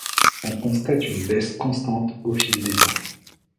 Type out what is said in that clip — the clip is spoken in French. On constate une baisse constante au fil des ans.